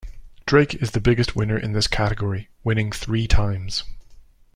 Drake is the biggest winner in this category, winning three times.